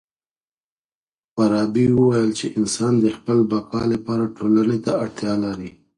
فارابي وويل چي انسان د خپل بقا لپاره ټولني ته اړتيا لري.